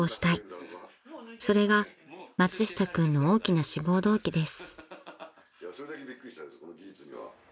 ［それが松下君の大きな志望動機です］